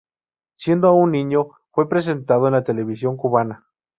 Siendo aún un niño, fue presentado en la televisión cubana.